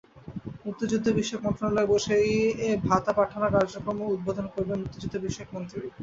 মুক্তিযুদ্ধবিষয়ক মন্ত্রণালয়ে বসেই এ ভাতা পাঠানো কার্যক্রম উদ্বোধন করবেন মুক্তিযুদ্ধবিষয়ক মন্ত্রী।